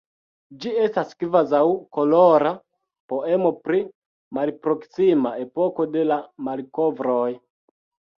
Ĝi estas kvazaŭ kolora poemo pri malproksima epoko de la malkovroj.